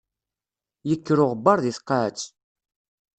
Yekker uɣebbaṛ di tqaɛet.